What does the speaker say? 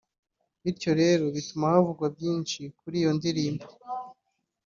bityo rero bituma havugwa byinshi kuri iyo ndirimbo”